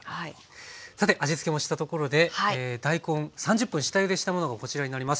さて味つけもしたところで大根３０分下ゆでしたものがこちらになります。